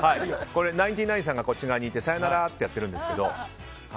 これナインティナインさんがいてさよなら！ってやってるんですけど。